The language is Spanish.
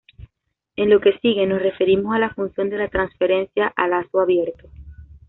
En lo que sigue, nos referimos a la función de transferencia a lazo abierto.